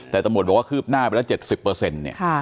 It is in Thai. แต่ตำรวจบอกว่าคืบหน้าไปแล้ว๗๐เนี่ย